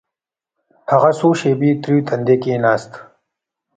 هغه څو شېبې تريو تندى کښېناست.